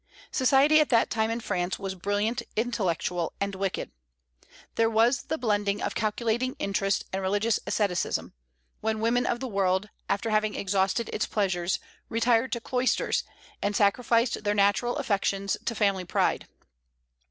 Society at that time in France was brilliant, intellectual, and wicked. "There was the blending of calculating interest and religious asceticism," when women of the world, after having exhausted its pleasures, retired to cloisters, and "sacrificed their natural affections to family pride."